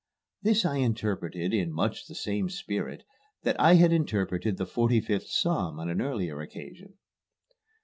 This I interpreted in much the same spirit that I had interpreted the 45th Psalm on an earlier occasion.